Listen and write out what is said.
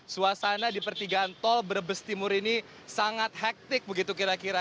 suasana di pertigaan tol brebes timur ini sangat hektik begitu kira kira